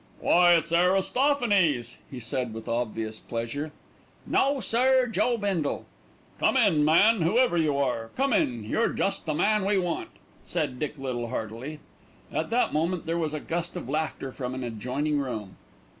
"Why, it's Aristophanes," he said with obvious pleasure. "No, sir, Joe Bindle." "Come in, man, whoever you are. Come in, you're just the man we want," said Dick Little heartily. At that moment there was a gust of laughter from an adjoining room.